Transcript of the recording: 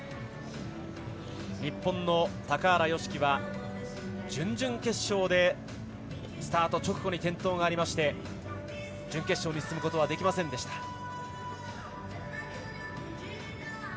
日本の高原宜希は準々決勝でスタート直後に転倒がありまして準決勝に進むことはできませんでした。